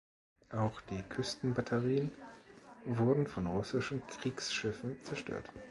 Auch die Küstenbatterien wurden von russischen Kriegsschiffen zerstört.